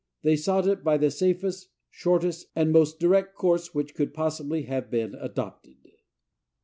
They sought it by the safest, shortest, and most direct course which could possibly have been adopted.